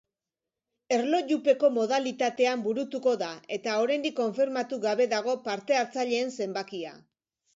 Erlojupeko modalitatean burutuko da eta oraindik konfirmatu gabe dago parte hartzaileen zenbakia.